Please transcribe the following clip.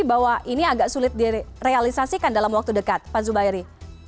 bahwa ini agak sulit direalisasikan dalam waktu dekat pak zubairi